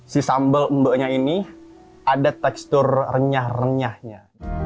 si sambal mba nya ini ada tekstur renyah renyahnya